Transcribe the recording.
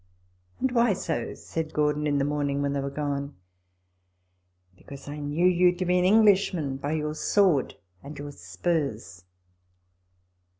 " And why so ?" said Gordon in the morning when they were gone. " Because I knew you to be an English man by your sword and your spurs."